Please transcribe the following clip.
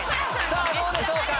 さぁどうでしょうか？